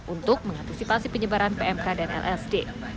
untuk mengantisipasi penyebaran pmk dan lsd